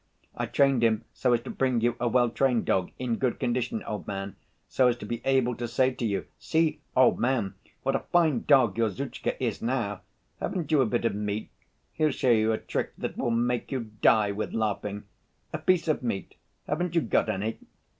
I trained him so as to bring you a well‐trained dog, in good condition, old man, so as to be able to say to you, 'See, old man, what a fine dog your Zhutchka is now!' Haven't you a bit of meat? He'll show you a trick that will make you die with laughing. A piece of meat, haven't you got any?"